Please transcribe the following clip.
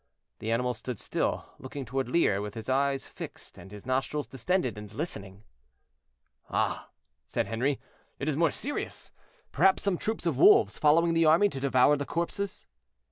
The animal stood still, looking toward Lier, with his eyes fixed and his nostrils distended, and listening. "Ah!" said Henri, "it is more serious; perhaps some troops of wolves following the army to devour the corpses."